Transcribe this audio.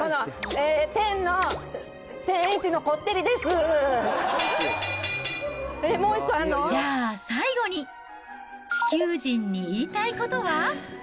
えっ、じゃあ、最後に、地球人に言いたいことは？